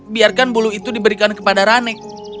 biarkan bulu itu diberikan kepada rane